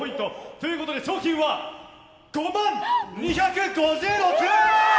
ということで賞金は５万２５６円！